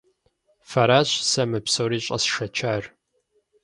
Фэращ сэ мы псори щӀэсшэчар.